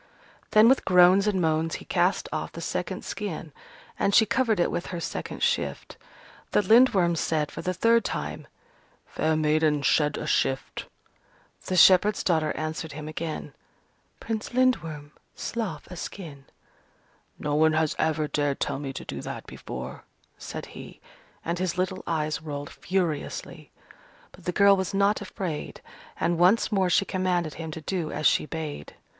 Then with groans and moans he cast off the second skin: and she covered it with her second shift. The Lindworm said for the third time, "Fair maiden, shed a shift." The shepherd's daughter answered him again, "Prince Lindworm, slough a skin." "No one has ever dared tell me to do that before," said he, and his little eyes rolled furiously. But the girl was not afraid, and once more she commanded him to do as she bade.